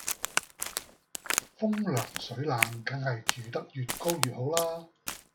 風涼水冷梗係住得越高越好啦